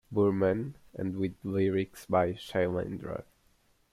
Burman, and with lyrics by Shailendra.